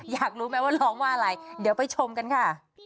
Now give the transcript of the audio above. อยากรู้ไหมว่าร้องว่าอะไรเดี๋ยวไปชมกันค่ะ